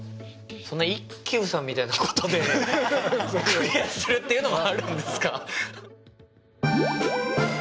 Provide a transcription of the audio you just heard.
そんな一休さんみたいなことでクリアするっていうのもあるんですか！？